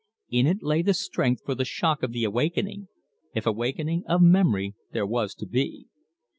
In it lay the strength for the shock of the awakening if awakening of memory there was to be.